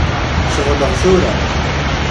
Ceɣleɣ tura.